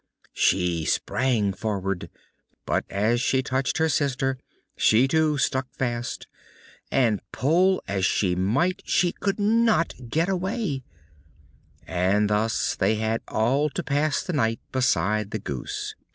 She sprang forward, but as she touched her sister she too stuck fast, and pull as she might she could not get away; and thus they had all to pass the night beside the goose.